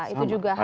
itu juga harus